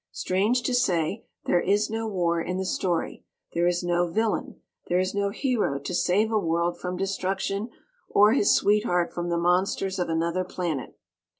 Strange to say, there is no war in the story; there is no villain; there is no hero to save a world from destruction or his sweetheart from the monsters of another planet.